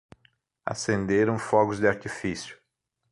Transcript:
Acenderam fogos de artifício.